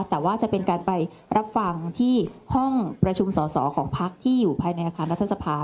แต่ว่าจะเป็นการไปรับฟังที่ห้องประชุมสอสอของพักที่อยู่ภายในอาคารรัฐสภา